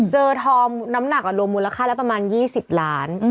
ทองน้ำหนักรวมมูลค่าแล้วประมาณ๒๐ล้าน